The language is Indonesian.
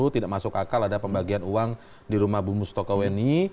tidak masuk akal ada pembagian uang di rumah bu mustoko weni